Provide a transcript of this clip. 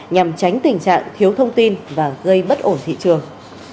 nhằm tránh tình trạng thiếu thông tin và gây bất ổn thị trường